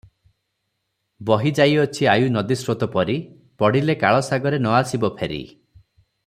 ବହିଯାଇଅଛି ଆୟୁ ନଦୀସ୍ରୋତ ପରି ପଡିଲେ କାଳ ସାଗରେ ନ ଆସିବ ଫେରି ।